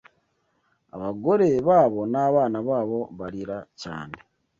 Abagore babo nabana babo, barira cyane